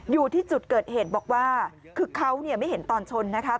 อยู่ที่จุดเกิดเหตุบอกว่าคือเขาไม่เห็นตอนชนนะคะ